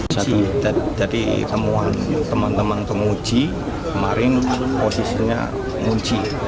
satu dari temuan teman teman penguji kemarin posisinya menguji